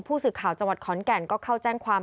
ผู้สื่อข่าวจังหวัดขอนแก่นก็เข้าแจ้งความ